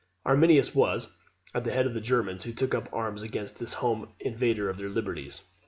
Arminius was at the head of the Germans who took up arms against this home invader of their liberties.